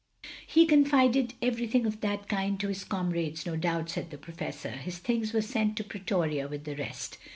"He confided everything of that kind to his comrades, no doubt," said the Professor. "His things were sent to Pretoria with the rest.